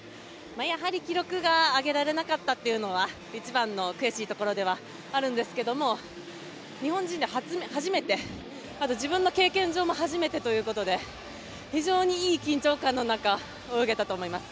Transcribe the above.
やはり記録が上げられなかったというのは一番の悔しいところではありますが日本人では初めてあと自分の経験上も初めてということで非常にいい緊張感の中泳げたと思います。